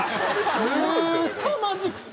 すさまじくて。